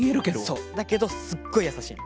そうだけどすっごいやさしいの。